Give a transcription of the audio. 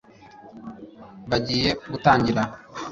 bagiye gutangira